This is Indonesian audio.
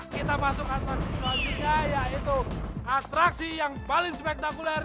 kita masuk ke atraksi selanjutnya yaitu atraksi yang paling spektakuler